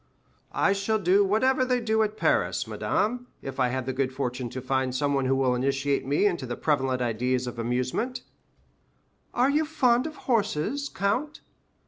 "I shall do whatever they do at Paris, madame, if I have the good fortune to find someone who will initiate me into the prevalent ideas of amusement." "Are you fond of horses, count?"